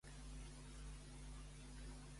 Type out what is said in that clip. El pare de la noia consenteix aquest amor?